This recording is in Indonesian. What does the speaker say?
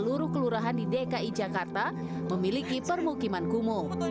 seluruh kelurahan di dki jakarta memiliki permukiman kumuh